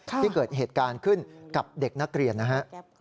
ที่เกิดเหตุการณ์ขึ้นกับเด็กนักเรียนนะฮะ